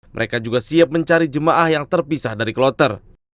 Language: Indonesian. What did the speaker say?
mereka juga siap mencari jemaah yang terpisah dari kloter